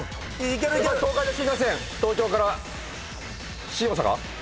東海道新幹線東京から新大阪？